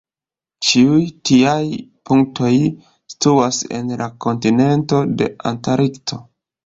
Ĉiuj tiaj punktoj situas en la kontinento Antarkto.